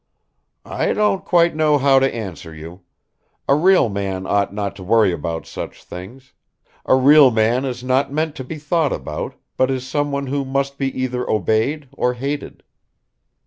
"I don't quite know how to answer you. A real man ought not to worry about such things; a real man is not meant to be thought about, but is someone who must be either obeyed or hated."